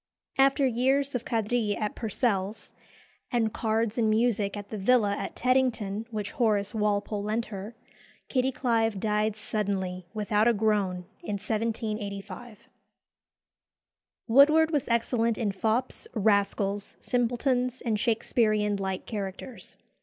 After years of quadrille at Purcell's, and cards and music at the villa at Teddington which Horace Walpole lent her, Kitty Clive died suddenly, without a groan, in 1785. Woodward was excellent in fops, rascals, simpletons, and Shakesperean light characters.